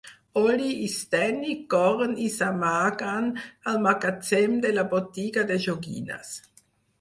Ollie i Stannie corren i s'amaguen al magatzem de la botiga de joguines.